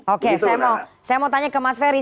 oke saya mau tanya ke mas ferry